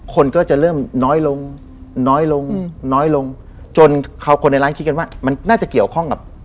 คนก็จะเริ่มน้อยลงน้อยลงน้อยลงจนเขาคนในร้านคิดกันว่ามันน่าจะเกี่ยวข้องกับ